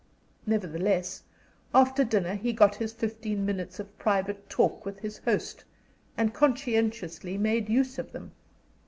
Nevertheless, after dinner he got his fifteen minutes of private talk with his host, and conscientiously made use of them.